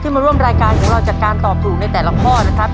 มาร่วมรายการของเราจากการตอบถูกในแต่ละข้อนะครับ